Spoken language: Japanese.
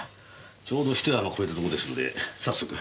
ちょうどひと山越えたとこですので早速。